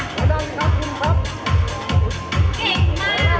สินทราบใช่ไหมคะ